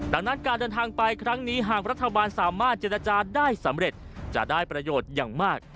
ดังนั้นการเดินทางไปครั้งนี้หากรัฐบาลสามารถเจรจาได้สำเร็จจะได้ประโยชน์อย่างมาก